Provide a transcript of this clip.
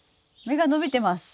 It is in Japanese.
芽が伸びてます！